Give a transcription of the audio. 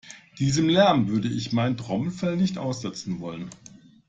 Diesem Lärm würde ich mein Trommelfell nicht aussetzen wollen.